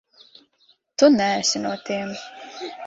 Tu neesi no tiem.